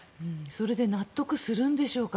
それで納得するんでしょうか。